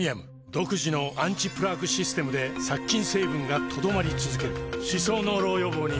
独自のアンチプラークシステムで殺菌成分が留まり続ける歯槽膿漏予防にプレミアム